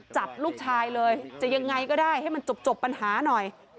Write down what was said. จับลูกชายเลยจะยังไงก็ได้ให้มันจบปัญหาหน่อย